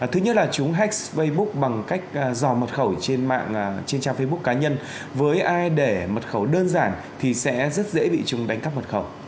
thứ nhất là chúng hexook bằng cách dò mật khẩu trên trang facebook cá nhân với ai để mật khẩu đơn giản thì sẽ rất dễ bị chúng đánh cắp mật khẩu